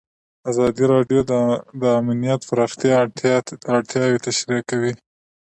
ازادي راډیو د امنیت د پراختیا اړتیاوې تشریح کړي.